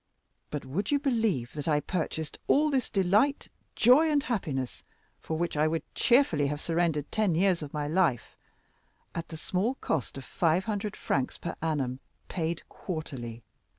But would you believe that I purchase all this delight, joy, and happiness, for which I would cheerfully have surrendered ten years of my life, at the small cost of 500 francs per annum, paid quarterly?